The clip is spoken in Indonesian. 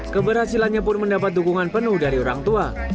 keberhasilannya pun mendapat dukungan penuh dari orang tua